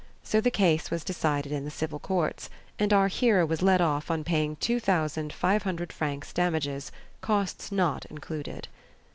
So the case was decided in the civil courts, and our hero was let off on paying two thousand five hundred francs damages, costs not included.